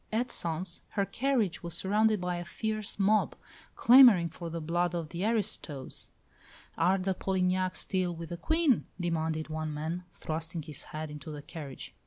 At Sens her carriage was surrounded by a fierce mob, clamouring for the blood of the "aristos." "Are the Polignacs still with the Queen?" demanded one man, thrusting his head into the carriage.